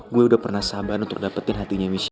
gue udah pernah sabar untuk dapetin hatinya miesel